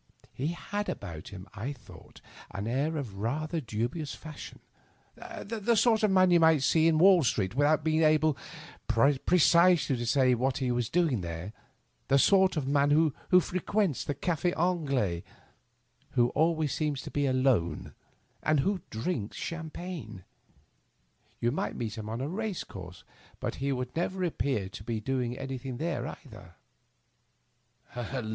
He had abont him, I thought, an air of rather dubious fashion ; the sort of man you might see in Wall Street, without being able precisely to say what he was doing there — the sort of man who frequents the Caf6 Anglais, who always seems to be alone, and who drinks champagne ; you might meet him on a race course, but he would never appear to be doing anything there either.